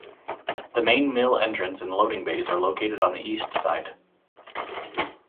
The main mill entrance and loading bays are located on the east side.